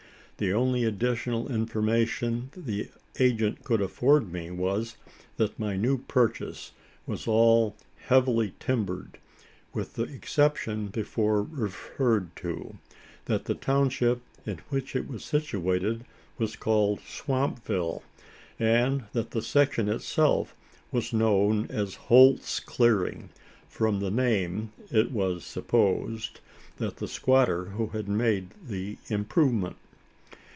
The only additional information the agent could afford me was: that my new purchase was all "heavily timbered," with the exception before referred to; that the township in which it was situated was called Swampville; and that the section itself was known as "Holt's Clearing" from the name, it was supposed, of the squatter who had made the "improvement."